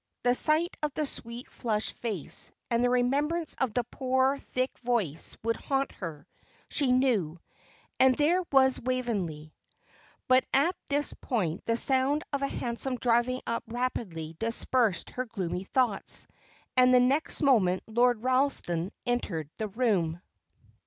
The sight of the sweet, flushed face, and the remembrance of the poor, thick voice would haunt her, she knew; and there was Waveney But at this point the sound of a hansom driving up rapidly dispersed her gloomy thoughts, and the next moment Lord Ralston entered the room.